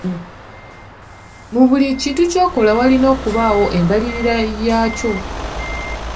Mu buli kintu ky'okola walina okubaawo embalirira yaakyo.